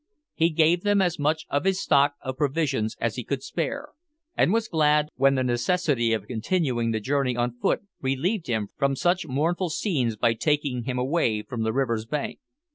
He gave them as much of his stock of provisions as he could spare, and was glad when the necessity of continuing the journey on foot relieved him from such mournful scenes by taking him away from the river's bank.